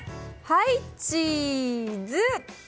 はい、チーズ！